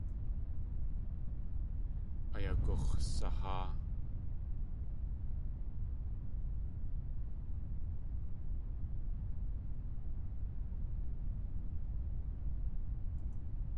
Ayagux̲saháa.